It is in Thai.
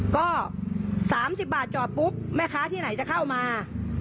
ก็๓๐บาทจอดปุ๊บแม่ค้าที่ไหนจะเข้ามา